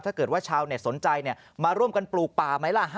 ถ้าเกิดว่าชาวเน็ตสนใจมาร่วมกันปลูกป่าไหมล่ะ